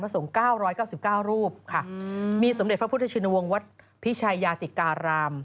สงฆ์๙๙๙รูปค่ะมีสมเด็จพระพุทธชินวงศ์วัดพิชัยยาติการาม